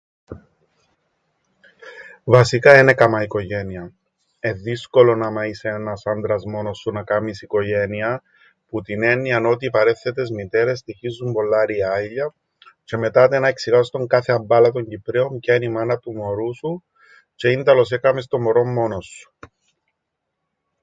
Βασικά εν έκαμα οικογένειαν. Εν' δύσκολον άμα είσαι ένας άντρας μόνος σου να κάμεις οικογένειαν που την έννοιαν ότι οι παρένθετες μητέρες στοιχίζουν πολλά ριάλλια τζ̆αι μετά άτε να εξηγάς στον κάθε αμπάλατον Κυπραίον ποια εν' η μάνα του μωρού σου τζ̆αι ίνταλος έκαμες το μωρόν μόνος σου...